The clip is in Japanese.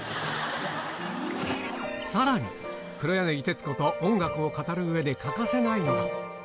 さらに、黒柳徹子と音楽を語るうえで欠かせないのが。